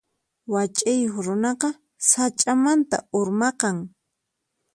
Wach'iyuq runaqa sach'amanta urmaqan.